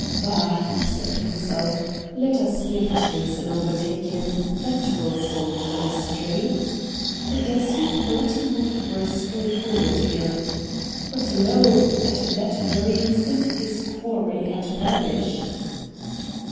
' Bah !' he said to himself, ' let us give chase and overtake him ; that will solve the mystery.' And as he thought he moved briskly forward again. But lo ! at that very instant his quarry had vanished.